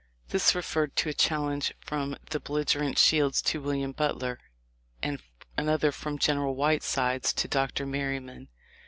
This referred to a challenge from the belligerent Shields to William Butler, and another from General White sides to Dr. Merryman.